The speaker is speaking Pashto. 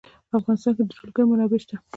په افغانستان کې د جلګه منابع شته.